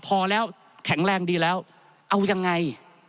พอแล้วแข็งแรงดีแล้วเอายังไง